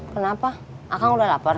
kenapa akang udah lapar